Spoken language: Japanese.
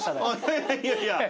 いやいやいや。